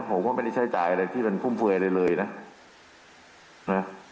ผมก็ไม่ได้ใช้จ่ายอะไรที่มันฟุ่มเฟือยอะไรเลยนะ